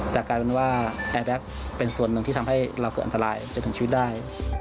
แต่กลายเป็นว่าแอร์แบ็คเป็นส่วนหนึ่งที่ทำให้เราเกิดอันตรายจนถึงชีวิตได้